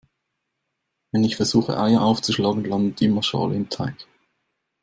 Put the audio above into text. Wenn ich versuche Eier aufzuschlagen, landet immer Schale im Teig.